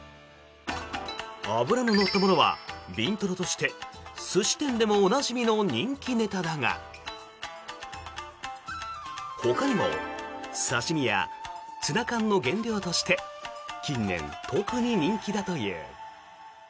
脂の乗ったものはビントロとして寿司店でもおなじみの人気ネタだがほかにも刺し身やツナ缶の原料として近年、特に人気だという。